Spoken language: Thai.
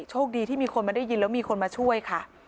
โชคดีที่มีคนมาได้ยินแล้วมีคนมาช่วยค่ะ